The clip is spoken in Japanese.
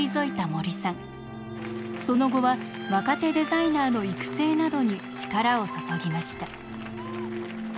その後は若手デザイナーの育成などに力を注ぎました。